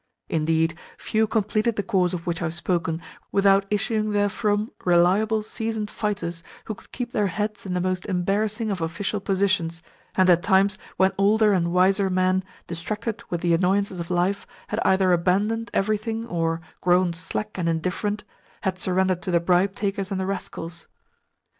Indeed, few completed the course of which I have spoken without issuing therefrom reliable, seasoned fighters who could keep their heads in the most embarrassing of official positions, and at times when older and wiser men, distracted with the annoyances of life, had either abandoned everything or, grown slack and indifferent, had surrendered to the bribe takers and the rascals.